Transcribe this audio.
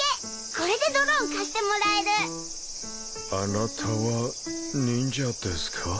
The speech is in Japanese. これでドローン貸してもらえるあなたは忍者ですか？